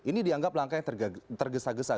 ini dianggap langkah yang tergesa gesa